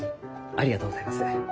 ありがとうございます。